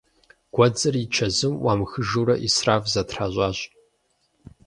Гуэдзыр и чэзум ӏуамыхыжурэ ӏисраф зэтращӏащ.